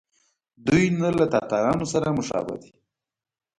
دوی نه له تاتارانو سره مشابه دي.